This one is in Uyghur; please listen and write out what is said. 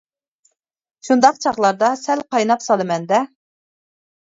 شۇنداق چاغلاردا سەل قايناپ سالىمەن دە.